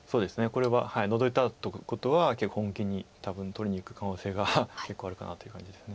これはノゾいたっていうことは結構本気に多分取りにいく可能性が結構あるかなという感じです。